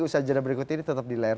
usaha jadwal berikut ini tetap di layar